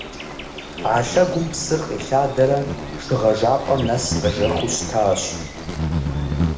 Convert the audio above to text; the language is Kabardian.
А лъэгум псыр къилъадэрэ шыгъэжапӏэм нэс къежэхыу щытащ.